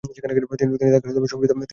তিনি তাকে সংস্কৃত শেখাতেন।